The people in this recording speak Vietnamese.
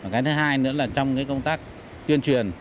cái thứ hai nữa là trong cái công tác tuyên truyền